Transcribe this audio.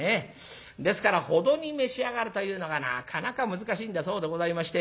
ですからほどに召し上がるというのがなかなか難しいんだそうでございまして。